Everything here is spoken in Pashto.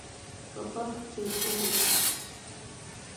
په باغ کې ګل ده